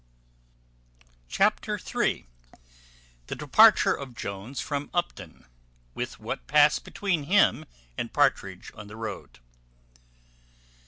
Chapter iii. The departure of Jones from Upton, with what passed between him and Partridge on the road.